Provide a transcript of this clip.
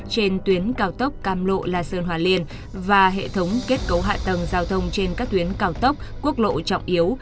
trên tuyến cao tốc cam lộ la sơn hòa liên và hệ thống kết cấu hạ tầng giao thông trên các tuyến cao tốc quốc lộ trọng yếu